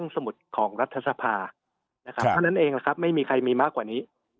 สมุดของรัฐสภานะครับเท่านั้นเองนะครับไม่มีใครมีมากกว่านี้